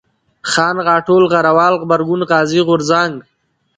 خان ، غاټول ، غروال ، غبرگون ، غازي ، غورځنگ